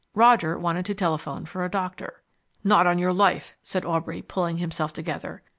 Roger wanted to telephone for a doctor. "Not on your life," said Aubrey, pulling himself together.